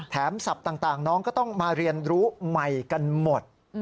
ศัพท์ต่างน้องก็ต้องมาเรียนรู้ใหม่กันหมด